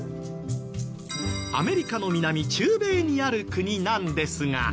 アメリカの南中米にある国なんですが。